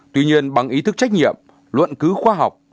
tuy nhiên bằng ý thức trách nhiệm luận cứ khoa học